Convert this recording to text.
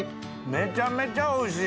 めっちゃめちゃおいしい。